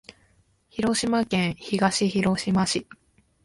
広島県東広島市